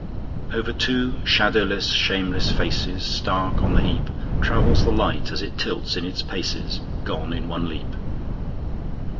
Over two shadowless, shameless facesStark on the heapTravels the light as it tilts in its pacesGone in one leap.